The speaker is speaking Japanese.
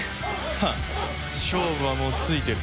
ハッ勝負はもうついてる。